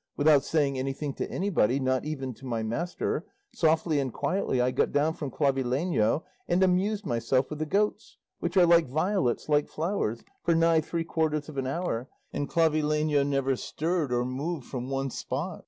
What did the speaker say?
without saying anything to anybody, not even to my master, softly and quietly I got down from Clavileño and amused myself with the goats which are like violets, like flowers for nigh three quarters of an hour; and Clavileño never stirred or moved from one spot."